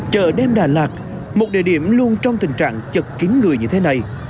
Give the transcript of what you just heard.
chợ đêm đà lạt một địa điểm luôn trong tình trạng chật kín người như thế này